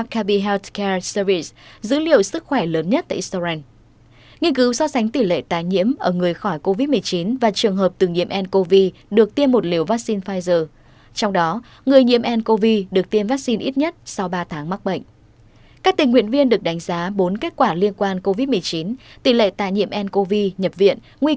các bạn hãy đăng ký kênh để ủng hộ kênh của chúng mình nhé